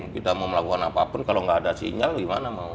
kita mau melakukan apapun kalau nggak ada sinyal gimana mau